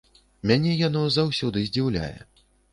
Мяне яно заўсёды здзіўляе.